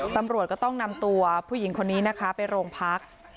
ตำรวจก็ต้องนำตัวผู้หญิงคนนี้นะคะไปโรงพัก